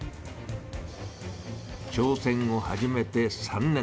挑戦を始めて３年。